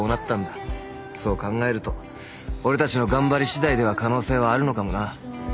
そう考えると俺たちの頑張りしだいでは可能性はあるのかもな。